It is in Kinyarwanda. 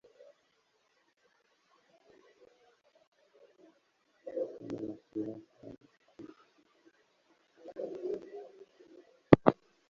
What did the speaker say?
inyo ifite amaso yaka ku itara rya davy